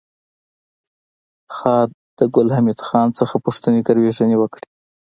خاد د ګل حمید خان څخه پوښتنې ګروېږنې وکړې